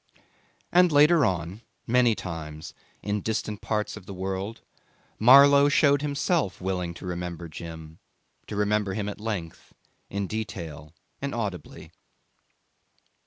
And later on, many times, in distant parts of the world, Marlow showed himself willing to remember Jim, to remember him at length, in detail and audibly.